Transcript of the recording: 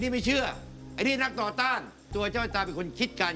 เป็นหลักไว้ก่อน